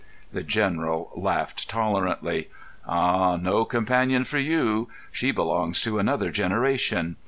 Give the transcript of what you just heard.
The General laughed tolerantly. "Ah, no companion for you. She belongs to another generation."